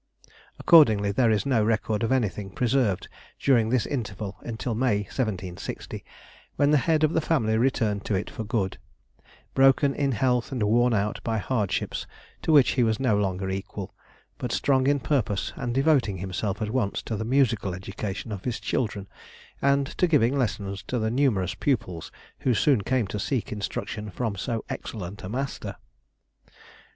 Accordingly there is no record of anything preserved during this interval until May, 1760, when the head of the family returned to it for good—broken in health and worn out by hardships to which he was no longer equal, but strong in purpose and devoting himself at once to the musical education of his children and to giving lessons to the numerous pupils who soon came to seek instruction from so excellent a master.